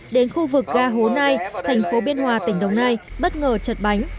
đến khu vực ga hố nai thành phố biên hòa tỉnh đồng nai bất ngờ chật bánh